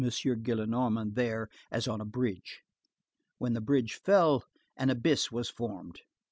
Gillenormand there as on a bridge. When the bridge fell, an abyss was formed.